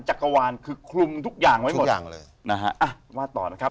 จักรวาลคือคลุมทุกอย่างไว้หมดอย่างเลยนะฮะอ่ะว่าต่อนะครับ